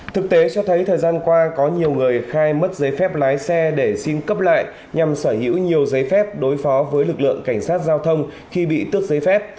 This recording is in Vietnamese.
thực tế cho thấy thời gian qua có nhiều người khai mất giấy phép lái xe để xin cấp lại nhằm sở hữu nhiều giấy phép đối phó với lực lượng cảnh sát giao thông khi bị tước giấy phép